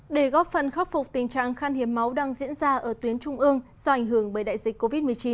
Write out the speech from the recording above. để góp phần khắc phục tình trạng khan hiếm máu đang diễn ra ở tuyến trung ương do ảnh hưởng bởi đại dịch covid một mươi chín